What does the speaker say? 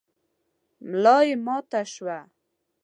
ملا مي ماته شوه .